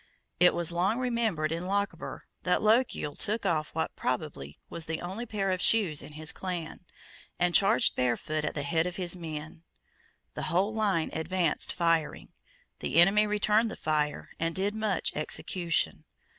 It was long remembered in Lochaber that Lochiel took off what probably was the only pair of shoes in his clan, and charged barefoot at the head of his men. The whole line advanced firing. The enemy returned the fire and did much execution.